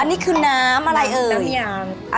อันนี้คือน้ำอะไรอะไรเอ่ยอันนี้แตบน้ำยา